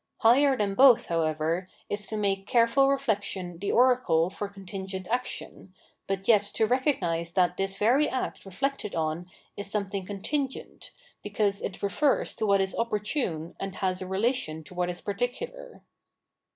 Higher than both, however, is to make careful reflection the oracle for contingent action, but yet to recognise that ^ Socrates. 725 The Abstract Work of Art tHs very act reflected on is something contingent, be cause it refers to what is opportune and has a relation to what is particular.